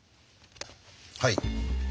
はい。